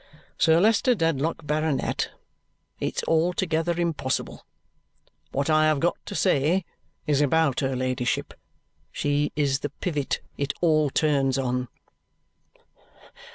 "Sir Leicester Dedlock, Baronet, it's altogether impossible. What I have got to say is about her ladyship. She is the pivot it all turns on."